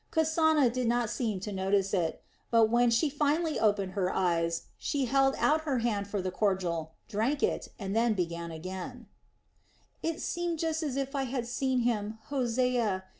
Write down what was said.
Kasana did not seem to notice it; but when she finally opened her eyes, she held out her hand for the cordial, drank it, and then began again: "It seemed just as if I had seen him, Hosea.